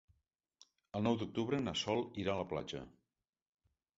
El nou d'octubre na Sol irà a la platja.